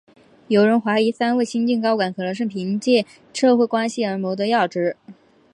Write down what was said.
有人怀疑三位新晋高管可能是凭借社会关系而谋得要职。